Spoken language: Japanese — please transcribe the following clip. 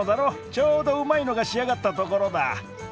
ちょうどうまいのが仕上がったところだ。